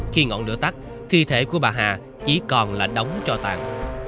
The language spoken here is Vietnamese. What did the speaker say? khi ngọn lửa tắt thi thể của bà hà chỉ còn là đóng cho tàn